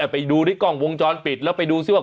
ไปดูที่กล้องวงจรปิดแล้วไปดูซิว่า